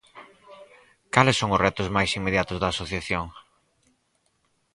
Cales son os retos máis inmediatos da asociación?